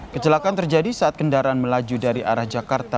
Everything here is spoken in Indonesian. kecelakaan terjadi saat kendaraan melaju dari arah jakarta